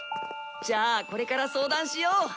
じゃあこれから相談しよう！